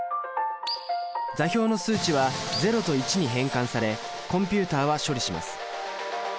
座標の数値は０と１に変換されコンピュータは処理します。